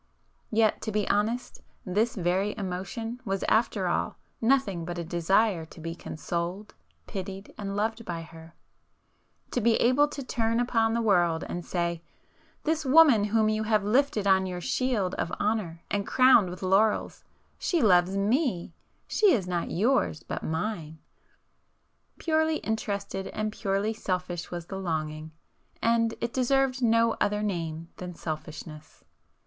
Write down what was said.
Yet, to be honest, this very emotion was after all nothing but a desire to be consoled, pitied and loved by her,—to be able to turn upon the world and say "This woman whom you have lifted on your shield of honour and crowned with laurels,—she loves me—she is not yours, but mine!" Purely interested and purely selfish was the longing,—and it deserved no other name than selfishness.